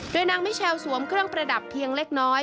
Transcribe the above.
โดยนางมิเชลสวมเครื่องประดับเพียงเล็กน้อย